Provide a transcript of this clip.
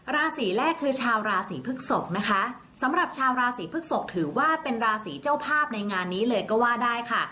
ราศีแรกคือชาวราศีพฤกษกนะคะสำหรับชาวราศีพฤกษกถือว่าเป็นราศีเจ้าภาพในงานนี้เลยก็ว่าได้ค่ะ